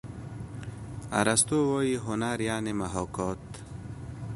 ارستو وايي هنر یعني محاکات.